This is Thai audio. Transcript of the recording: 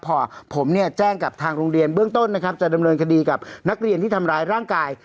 พอผมเนี่ยแจ้งกับทางโรงเรียนเบื้องต้นนะครับจะดำเนินคดีกับนักเรียนที่ทำร้ายร่างกาย